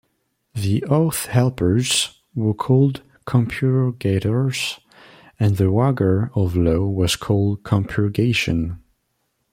The oath-helpers were called compurgators, and the wager of law was called compurgation.